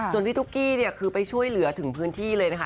ส่วนพี่ตุ๊กกี้เนี่ยคือไปช่วยเหลือถึงพื้นที่เลยนะคะ